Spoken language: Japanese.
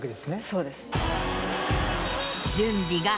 そうです。